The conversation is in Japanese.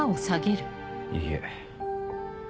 いいえ。